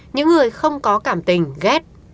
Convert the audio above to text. những người không có cảm tình ghét